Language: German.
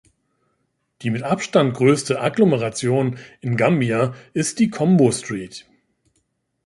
Die mit Abstand größte Agglomeration in Gambia ist die Kombo-St.